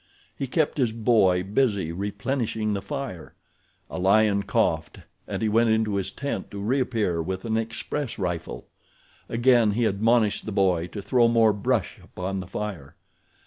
He kept his boy busy replenishing the fire. A lion coughed and he went into his tent to reappear with an express rifle. Again he admonished the boy to throw more brush upon the fire.